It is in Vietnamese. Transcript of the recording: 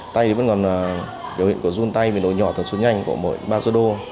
tay thì vẫn còn điều hiện của run tay miền đồi nhỏ thật xuống nhanh của mỗi ba lô tô